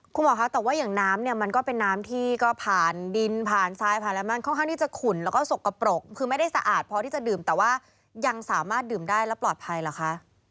คุณหมอคะแต่ว่าอย่างน้ำเนี่ยมันก็เป็นน้ำที่ก็ผ่านดินผ่านทรายผ่านอะไรมันค่อนข้างที่จะขุ่นแล้วก็สกปรกคือไม่ได้สะอาดพอที่จะดื่มแต่ว่ายังสามารถดื่มได้แล้วปลอดภัยเหรอคะ